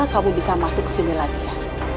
kamu bisa masuk kesini lagi ya